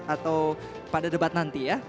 atau pada debat nanti ya